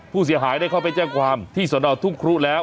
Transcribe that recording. ผู้เสียหายได้เข้าไปแจ้งความที่สนทุ่งครุแล้ว